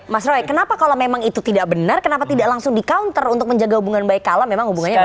mas roy kenapa kalau memang itu tidak benar kenapa tidak langsung di counter untuk menjaga hubungan baik kalah memang hubungannya baik